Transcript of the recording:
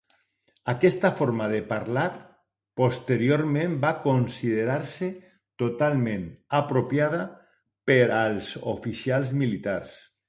Aquesta forma de parlar posteriorment va considerar-se totalment apropiada per als oficials militars.